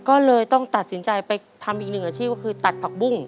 ก็เลยต้องตัดสินใจไปทำอีกหนึ่งอาชีพก็คือตัดผักบุ้ง